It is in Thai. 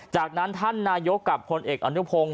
จากนั้นท่านนายกกับพลเอกอนุพงศ์